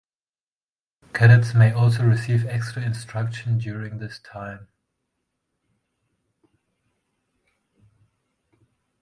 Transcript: Cadets may also receive extra instruction during this time.